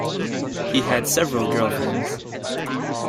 He had several girlfriends.